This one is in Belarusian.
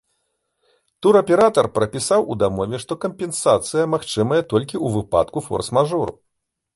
Тураператар прапісаў у дамове, што кампенсацыя магчымая толькі ў выпадку форс-мажору.